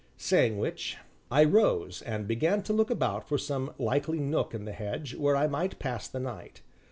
Saying which, I rose and began to look about for some likely nook in the hedge, where I might pass the night.